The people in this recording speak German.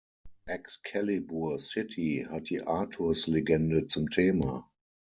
Excalibur City hat die Artus-Legende zum Thema.